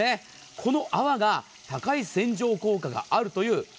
この泡が高い洗浄効果があるという。